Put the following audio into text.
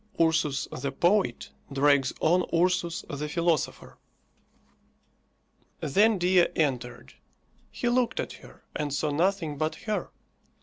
URSUS THE POET DRAGS ON URSUS THE PHILOSOPHER. Then Dea entered. He looked at her, and saw nothing but her.